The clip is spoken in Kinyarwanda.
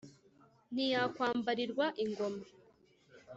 ntiyakwambarirwa ingoma.